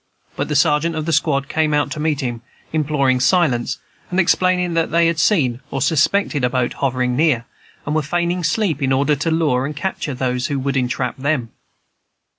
But the sergeant of the squad came out to meet him, imploring silence, and explaining that they had seen or suspected a boat hovering near, and were feigning sleep in order to lure and capture those who would entrap them.